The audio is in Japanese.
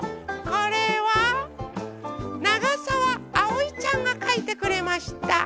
これはながさわあおいちゃんがかいてくれました。